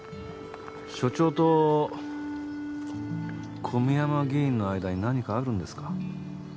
署長と小宮山議員の間に何かあるんですか？